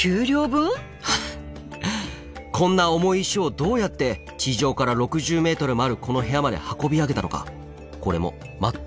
こんな重い石をどうやって地上から６０ｍもあるこの部屋まで運び上げたのかこれも全く分かっていません。